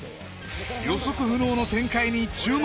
予測不能の展開に注目！